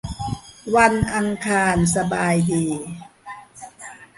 วันอังคารสบายดี